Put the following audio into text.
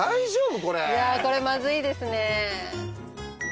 いやぁこれまずいですね。